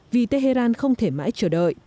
vì tehran không thể mãi chờ đợi